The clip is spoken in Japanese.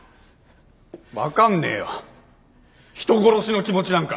分かんねえよ人殺しの気持ちなんか。